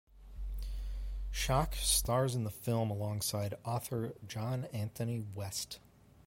Schoch stars in the film alongside author John Anthony West.